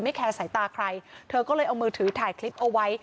แคร์สายตาใครเธอก็เลยเอามือถือถ่ายคลิปเอาไว้